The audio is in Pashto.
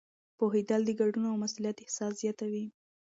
پوهېدل د ګډون او مسؤلیت احساس زیاتوي.